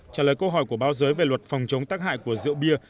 trả lời câu hỏi của báo giới về luật phòng chống tác hại của rượu bia